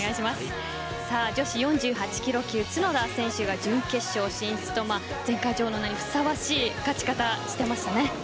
女子４８キロ級角田選手が準決勝進出と前回女王の名にふさわしい勝ち方をしていますね。